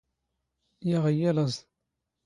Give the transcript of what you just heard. ⵢⴰⵖ ⵉⵢⵉ ⵍⴰⵥ.